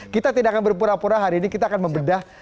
kita tidak akan berpura pura hari ini kita akan membedah